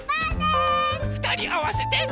ふたりあわせて。